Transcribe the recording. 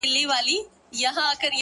• زما تر لحده به آواز د مرغکیو راځي,